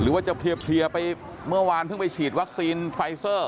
หรือว่าจะเพลียไปเมื่อวานเพิ่งไปฉีดวัคซีนไฟเซอร์